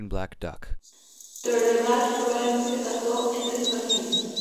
Toirdelbach probablemente se casó en tres ocasiones.